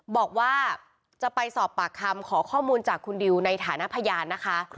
บอกว่าจะไปสอบปากคำขอข้อมูลจากคุณดิวในฐานะพยานนะคะ